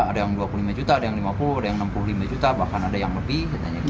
ada yang dua puluh lima juta ada yang lima puluh ada yang enam puluh lima juta bahkan ada yang lebih